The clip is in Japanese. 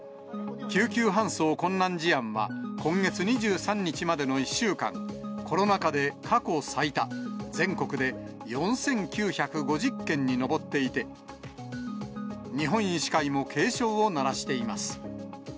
救急搬送困難事案は、今月２３日までの１週間、コロナ禍で過去最多、全国で４９５０件に上っていて、日本医師会も警鐘を鳴らしています。